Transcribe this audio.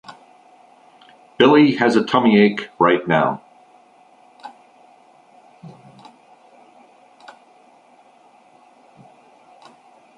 Billy has a tummy ache right now.